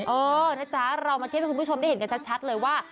เออนะจ๊ะเรามาเทียบให้คุณผู้ชมได้เห็นกันชัดเลยว่า